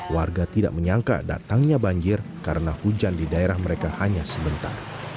warga tidak menyangka datangnya banjir karena hujan di daerah mereka hanya sebentar